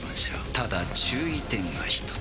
ただ注意点が一つ。